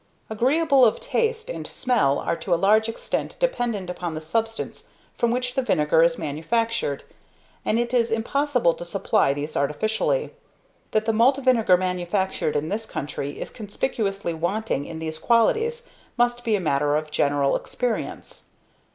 ~ Agreeableness of taste and smell are to a large extent dependent upon the substance from which the vinegar is manufactured, and it is impossible to supply these artificially. That the malt vinegar manufactured in this country is conspicuously wanting in these qualities must be a matter of general experience.